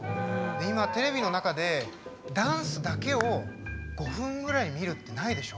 今テレビの中でダンスだけを５分ぐらい見るってないでしょ。